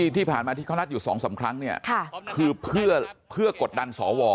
ที่ผ่านมาที่เขานัดอยู่๒๓ครั้งเนี่ยคือเพื่อกดดันสว